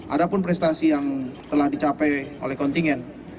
ada pun prestasi yang telah dicapai oleh kontingen